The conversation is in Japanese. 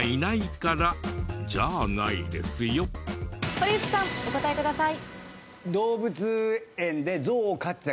堀内さんお答えください。